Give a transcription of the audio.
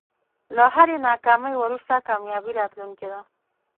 له هری ناکامۍ وروسته کامیابي راتلونکی ده.